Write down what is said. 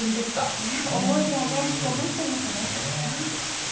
思いがね、込もってますね。